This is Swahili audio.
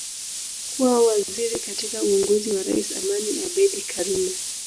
Kuwa waziri katika uongozi wa Rais Amani Abedi Karume